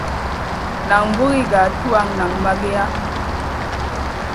Nan buri ga tuwaʼa nang mageya.